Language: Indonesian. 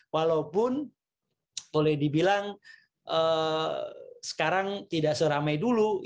walaupun boleh dibilang sekarang tidak seramai dulu